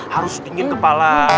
harus dingin kepala